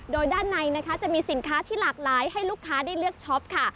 โดยด้านในนะคะจะมีสินค้าที่หลากหลายให้ลูกค้าได้เลือกช็อปค่ะ